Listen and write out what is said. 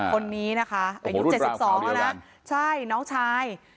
คนนี้นะคะอายุ๗๒แล้วนะใช่น้องชาย